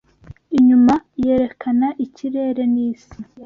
Inyuma yerekana ikirere n'isi